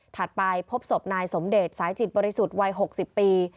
ไปพบศพนายสมเดชสายจิตบริสุทธิ์วัย๖๐ปี